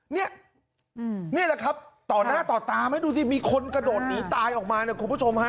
นี่แหละครับต่อหน้าต่อตาไหมดูสิมีคนกระโดดหนีตายออกมาเนี่ยคุณผู้ชมฮะ